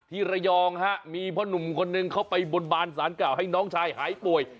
ที่ระยองฮะมีพ่อหนุ่มคนนึงเขาไปบนบานสารเก่าให้น้องชายหายป่วย